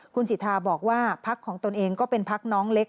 คุณสิทธาบอกว่าพักของตนเองก็เป็นพักน้องเล็ก